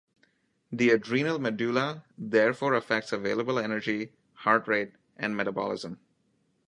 The adrenal medulla therefore affects available energy, heart rate, and metabolism.